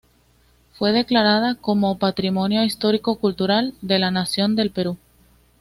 Fue declarada como Patrimonio Histórico Cultural de la Nación del Perú.